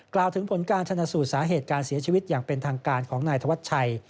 กล่าวถึงผลการชนะสูตรสาเหตุการเสียชีวิตอย่างเป็นทางการของนายธวัชชัย